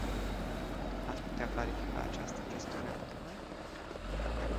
Ați putea clarifica această chestiune pentru noi?